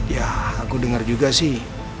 ya aku dengar juga sih